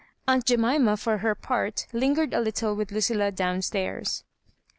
Aunt Jemima^ for her part, lingered a little with Lucilla down stairs.